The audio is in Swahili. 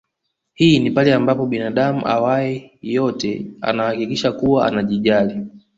Hii ni pale ambapo binadamu awae yote anahakikisha kuwa anajijali